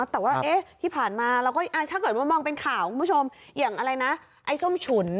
แต่ว่าที่ผ่านมาถ้าเกิดมองเป็นข่าวคุณผู้ชมอย่างไอ้ส้มฉุน